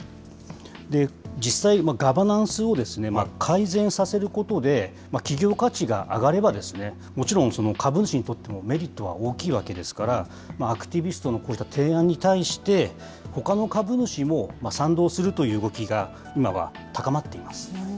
実際、ガバナンスを改善させることで、企業価値が上がれば、もちろんその株主にとってもメリットは大きいわけですから、アクティビストのこういった提案に対して、ほかの株主も賛同するという動きが今は高まっています。